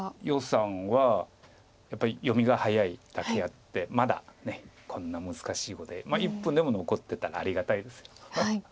余さんはやっぱり読みが早いだけあってまだこんな難しい碁で１分でも残ってたらありがたいです。